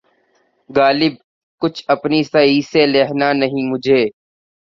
غالبؔ! کچھ اپنی سعی سے لہنا نہیں مجھے